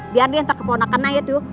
biar dia ntar ke keunakan aja tuh